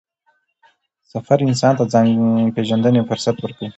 سفر انسان ته د ځان پېژندنې فرصت ورکوي